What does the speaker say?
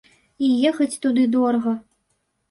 І ехаць туды дорага.